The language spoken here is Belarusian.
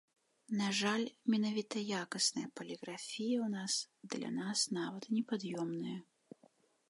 На жаль, менавіта якасная паліграфія ў нас для нас нават непад'ёмная.